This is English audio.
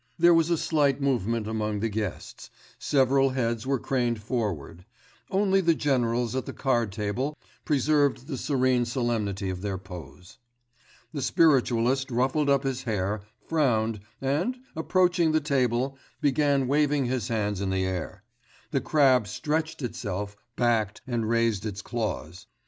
There was a slight movement among the guests; several heads were craned forward; only the generals at the card table preserved the serene solemnity of their pose. The spiritualist ruffled up his hair, frowned, and, approaching the table, began waving his hands in the air; the crab stretched itself, backed, and raised its claws.